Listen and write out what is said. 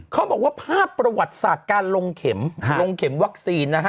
เขาบอกว่าภาพประวัติศาสตร์การลงเข็มลงเข็มวัคซีนนะฮะ